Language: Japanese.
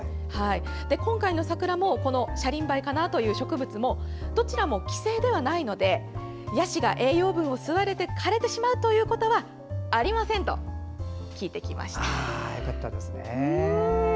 今回の桜もこのシャリンバイかなという植物もどちらも寄生ではないのでヤシが栄養分を吸われて枯れてしまうということはよかったですね。